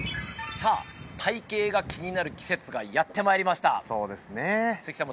さあ体形が気になる季節がやってまいりましたそうですね